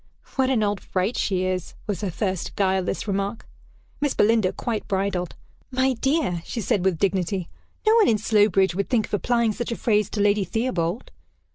"What an old fright she is!" was her first guileless remark. Miss Belinda quite bridled. "My dear," she said, with dignity, "no one in Slowbridge would think of applying such a phrase to Lady Theobald."